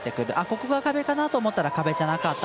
ここが壁かなと思ったら壁じゃなかった。